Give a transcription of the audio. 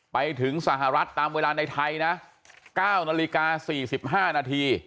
ไปถึงสหรัฐตามเวลาในไทยนะ๙นาฬิกา๔๕นาที